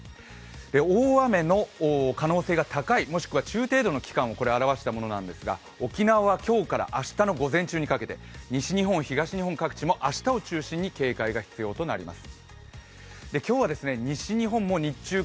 大雨の可能性が高いもしくは中程度の予想を示したものなんですが沖縄は今日から明日の午前中にかけて、西日本、東日本各地も明日を中心に警戒が必要になります。